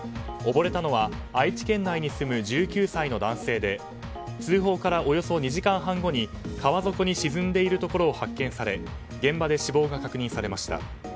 溺れたのは愛知県内に住む１９歳の男性で通報からおよそ２時間半後に川底に沈んでいるところを発見され現場で死亡が確認されました。